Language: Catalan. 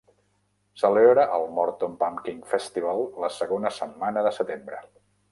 Celebra el Morton Pumpkin Festival la segona setmana de setembre.